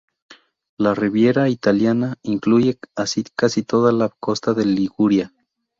La Riviera italiana incluye así casi toda la costa de Liguria.